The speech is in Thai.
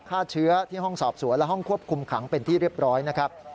ฆ่าเชื้อที่ห้องสอบสวนและห้องควบคุมขังเป็นที่เรียบร้อยนะครับ